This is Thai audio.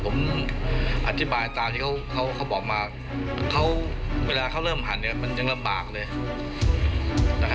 สนุนโดยน้ำดื่มสิงห์